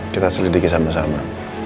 kita selidiki sama sama